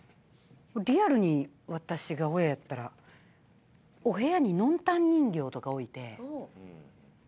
リアルに私が親やったらお部屋にノンタン人形とか置いておお。